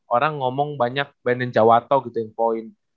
orang ngomong banyak ban jawato gitu yang poin